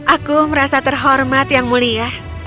aku merasa terhormat yang mulia